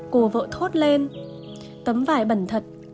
cô vợ thốt lên tấm vải bẩn thật